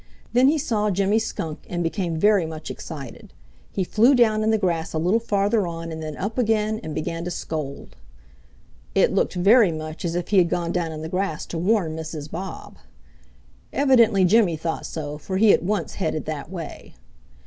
Then he saw Jimmy Shrunk and became very much excited. He flew down in the grass a little farther on and then up again, and began to scold. It looked very much as if he had gone down in the grass to warn Mrs. Bob. Evidently Jimmy thought so, for he at once headed that way.